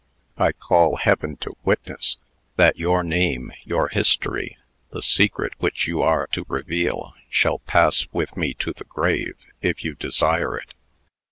I call Heaven to witness, that your name, your history, the secret which you are to reveal, shall pass with me to the grave, if you desire it."